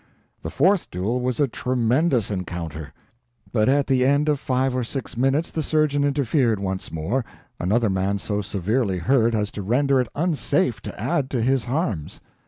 The fourth duel was a tremendous encounter; but at the end of five or six minutes the surgeon interfered once more: another man so severely hurt as to render it unsafe to add to his harms.